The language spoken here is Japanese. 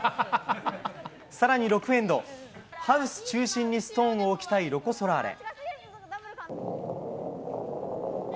さらに６エンド、ハウス中心にストーンを置きたいロコ・ソラーレ。